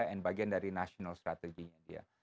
dan bagian dari national strategy nya dia